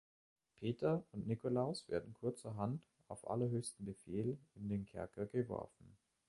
Peter und Nikolaus werden kurzerhand auf allerhöchsten Befehl in den Kerker geworfen.